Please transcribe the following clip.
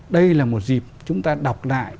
đây là một dịp chúng ta đọc lại